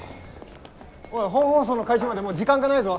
おい本放送の開始までもう時間がないぞ。